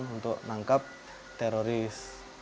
untuk nangkep teroris